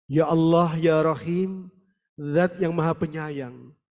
ya allah ya rahim zat yang maha penyayang